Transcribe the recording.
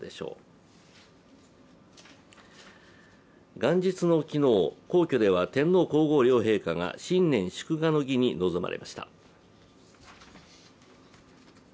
元日の昨日、皇居では天皇皇后両陛下が新年祝賀の儀に臨まれました。